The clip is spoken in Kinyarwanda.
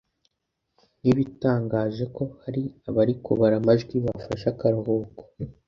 nkibitangaje ko hari abari kubara amajwi bafashe akaruhuko.